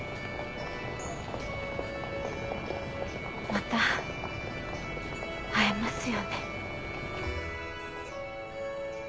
また会えますよね？